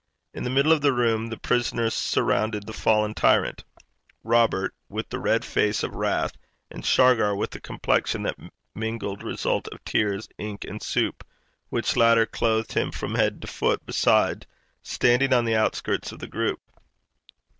In the middle of the room the prisoners surrounded the fallen tyrant Robert, with the red face of wrath, and Shargar, with a complexion the mingled result of tears, ink, and soup, which latter clothed him from head to foot besides, standing on the outskirts of the group.